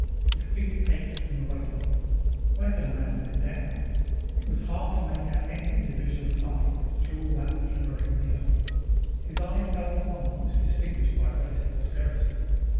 His feet ached from the weight on them. Where could a man sit down? It was hard to make out any individual sign through all that flimmering neon. His eye fell on one that was distinguished by relative austerity.